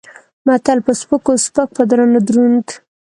متل: په سپکو سپک په درونو دروند.